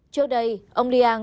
trước đây ông li yang